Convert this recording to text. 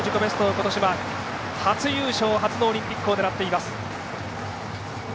今年は初優勝初のオリンピックを狙います。